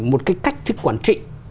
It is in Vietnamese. một cái cách thức quản trị